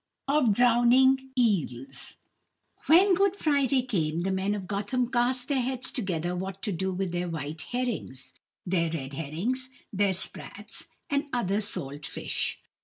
Of Drowning Eels When Good Friday came, the men of Gotham cast their heads together what to do with their white herrings, their red herrings, their sprats, and other salt fish.